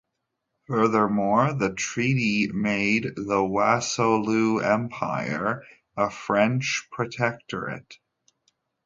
Furthermore, the treaty made the Wassoulou empire a French protectorate.